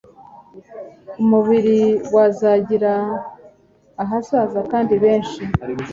umubiri wazagira ahazaza kandi benshi